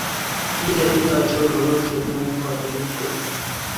kile ting'doi choronok che bunu emotinwek tugul